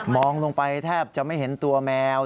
องลงไปแทบจะไม่เห็นตัวแมว